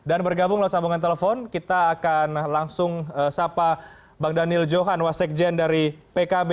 dan bergabung lalu sambungan telepon kita akan langsung sapa bang daniel johan wasekjen dari pkb